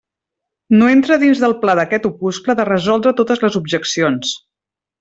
No entra dins del pla d'aquest opuscle de resoldre totes les objeccions.